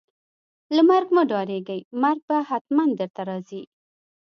له مرګ مه ډاریږئ ، مرګ به ختمن درته راځي